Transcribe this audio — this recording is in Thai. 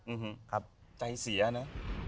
อือฮือใจเสียนะ